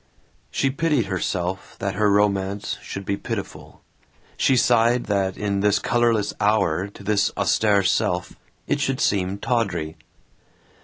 She pitied herself that her romance should be pitiful; she sighed that in this colorless hour, to this austere self, it should seem tawdry.